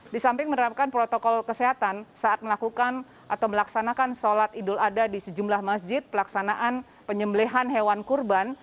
di samping menerapkan protokol kesehatan saat melakukan atau melaksanakan sholat idul adha di sejumlah masjid pelaksanaan penyembelihan hewan kurban